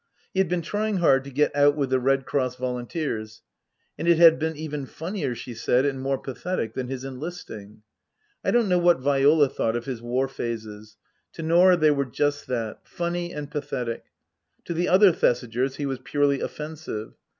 He had been trying hard to get out with the Red Cross volunteers, and it had been even funnier, she said, and more pathetic, than his enlist ing. I don't know what Viola thought of his war phases ; to Norah they were just that funny and pathetic. To the other Thesigers he was purely offensive.